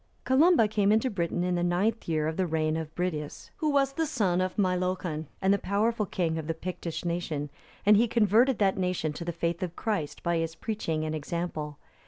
Columba came into Britain in the ninth year of the reign of Bridius, who was the son of Meilochon,(304) and the powerful king of the Pictish nation, and he converted that nation to the faith of Christ, by his preaching and example.